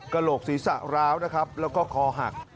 โหลกศีรษะร้าวนะครับแล้วก็คอหัก